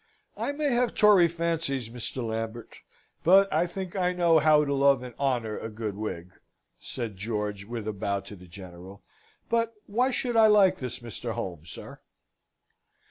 "I may have Tory fancies, Mr. Lambert, but I think I know how to love and honour a good Whig," said George, with a bow to the General: "but why should I like this Mr. Home, sir?"